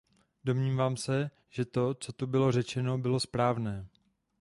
Domnívám se, že to, co tu bylo řečeno, bylo správné.